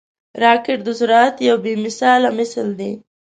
راکټ د سرعت یو بې مثاله مثال دی